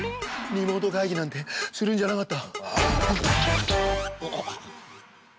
リモートかいぎなんてするんじゃなかった。